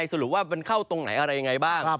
สรุปว่ามันเข้าตรงไหนอะไรยังไงบ้าง